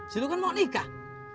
situ kan mau nikah